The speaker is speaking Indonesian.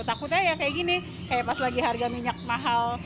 takutnya ya kayak gini kayak pas lagi harga minyak mahal